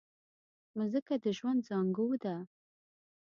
مځکه د ژوند زانګو ده.